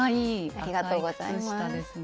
ありがとうございます。